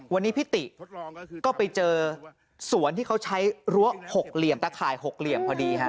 วันนี้พี่ติก็ไปเจอสวนที่เขาใช้รั้ว๖เหลี่ยมตะข่าย๖เหลี่ยมพอดีฮะ